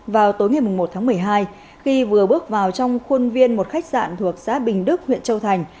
vào tối ngày một tháng một mươi hai khi vừa bước vào trong khuôn viên một khách sạn thuộc xã bình đức huyện châu thành